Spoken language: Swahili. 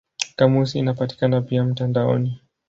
Kamusi inapatikana pia mtandaoni.